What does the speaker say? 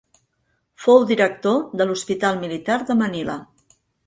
Fou director de l'Hospital Militar de Manila.